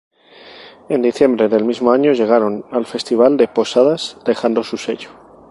En diciembre del mismo año llegaron al festival de Posadas dejando su sello.